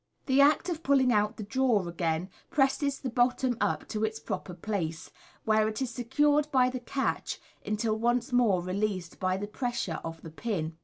(See Fig. 91.) The act of pull ing out the drawer again presses the bottom up to its proper place, where it is secured by the catch until once more released by the pressure of the pin.